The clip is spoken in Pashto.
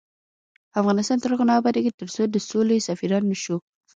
افغانستان تر هغو نه ابادیږي، ترڅو د سولې سفیران نشو.